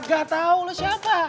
gak tau lo siapa